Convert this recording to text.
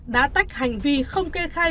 đã tách hành vi không kê khai